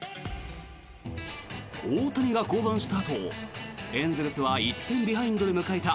大谷が降板したあとエンゼルスは１点ビハインドで迎えた